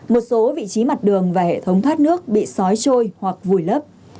một số vị trí mặt đường và hệ thống thoát nước bị sói trôi hoặc vùi lấp